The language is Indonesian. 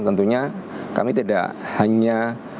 tentunya kami tidak hanya